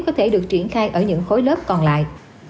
có thể được triển khai ở những khối lớp còn lại